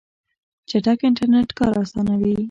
چټک انټرنیټ کار اسانوي.